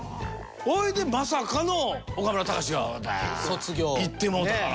ほいでまさかの岡村隆史がいってもうたから。